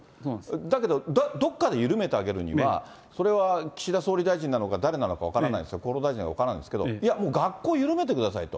だけど、どこかで緩めてあげるには、それは岸田総理大臣なのか、誰なのか分からないですけど、厚労大臣なのか分からないですけど、いやもう、学校緩めてくださいと。